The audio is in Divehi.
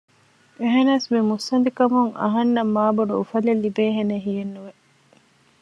އެހެނަސް މި މުއްސަނދިކަމުން އަހަންނަށް މާ ބޮޑު އުފަލެއް ލިބޭހެނެއް ހިޔެއް ނުވެ